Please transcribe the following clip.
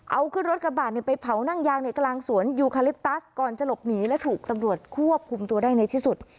เอาขึ้นรถกระบาดไปเผานั่งยางในกลางสวนยูคาลิปตัสก่อนจะหลบหนีและถูกตำรวจควบคุมตัวได้ในที่สุด